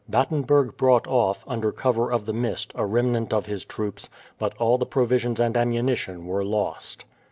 Batenburgh brought off, under cover of the mist, a remnant of his troops, but all the provisions and ammunition were lost.